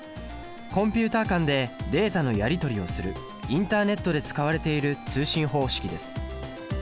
コンピュータ間でデータのやり取りをするインターネットで使われている通信方式です。